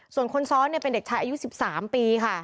ส่วนคนซ้อนเนี่ยเป็นเด็กชายอายุสิบสามปีค่ะ